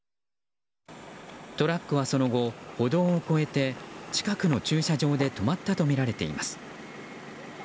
トラックはその後歩道を越えて、近くの駐車場で止まったとみられています。